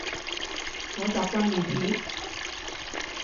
我習慣如此